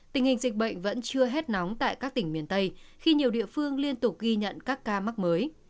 tình hình dịch bệnh vẫn chưa hết nóng tại các tỉnh miền tây khi nhiều địa phương liên tục ghi nhận các ca mắc mới